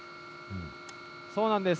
そうなんです。